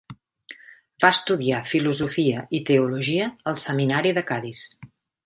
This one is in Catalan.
Va estudiar filosofia i teologia al seminari de Cadis.